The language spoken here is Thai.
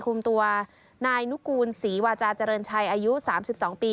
คุมตัวนายนุกูลศรีวาจาเจริญชัยอายุ๓๒ปี